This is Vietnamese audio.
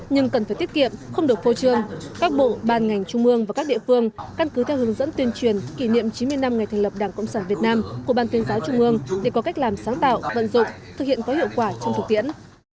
nhưng cần phải tiết kiệm không được phô trương các bộ ban ngành trung mương và các địa phương căn cứ theo hướng dẫn tuyên truyền kỷ niệm chín mươi năm ngày thành lập đảng cộng sản việt nam của ban tuyên giáo trung ương để có cách làm sáng tạo vận dụng thực hiện có hiệu quả trong thực tiễn